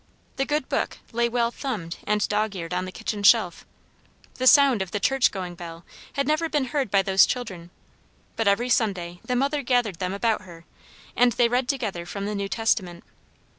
The good Book lay well thumbed and dogeared on the kitchen shelf. The sound of the "church going bell" had never been heard by those children, but every Sunday the mother gathered them about her, and they read together from the New Testament.